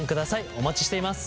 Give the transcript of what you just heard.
お待ちしています。